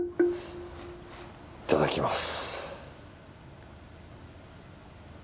いただきます。